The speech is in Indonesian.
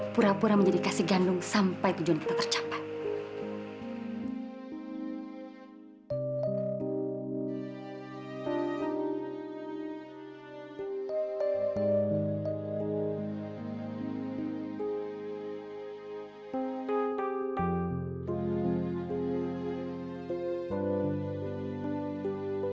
pura pura menjadi kasih gandung sampai tujuan kita tercapai